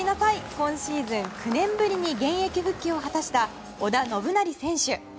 今シーズン、９年ぶりに現役復帰を果たした織田信成選手。